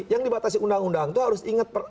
yang dibatasi undang undang itu harus ingat